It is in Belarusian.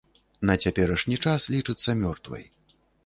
На цяперашні час лічыцца мёртвай.